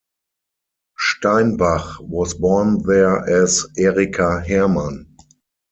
Steinbach was born there as Erika Hermann.